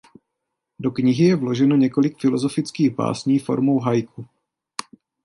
Do knihy je vloženo několik filozofických básní formou haiku.